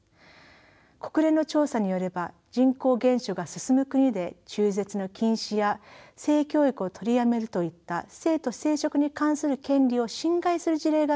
国連の調査によれば人口減少が進む国で中絶の禁止や性教育を取りやめるといった性と生殖に関する権利を侵害する事例が見受けられます。